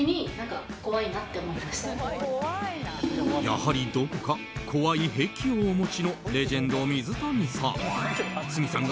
やはりどこか怖い癖をお持ちのレジェンド、水谷さん。